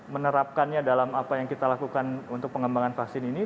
menerapkannya dalam apa yang kita lakukan untuk pengembangan vaksin ini